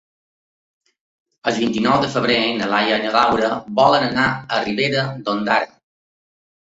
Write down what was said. El vint-i-nou de febrer na Laia i na Laura volen anar a Ribera d'Ondara.